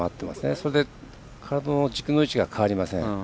それで、体の軸の位置が変わりません。